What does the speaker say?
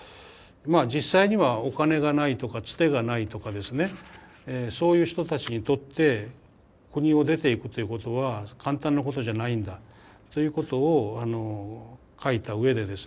まあ実際にはお金がないとかつてがないとかですねそういう人たちにとって国を出ていくということは簡単なことじゃないんだということを書いた上でですね